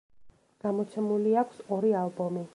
გამოცემული აქვს ორი ალბომი.